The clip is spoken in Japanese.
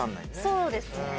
そうですね。